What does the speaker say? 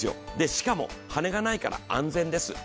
しかも羽根がないから安全です。